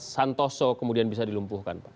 santoso kemudian bisa dilumpuhkan